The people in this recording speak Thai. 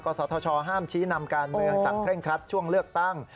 สทชห้ามชี้นำการเมืองสั่งเคร่งครัดช่วงเลือกตั้ง